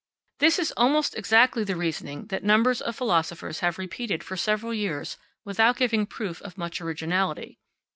This is almost exactly the reasoning that numbers of philosophers have repeated for several years without giving proof of much originality.